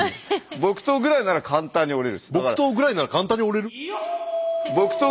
木刀ぐらいなら簡単に折れる？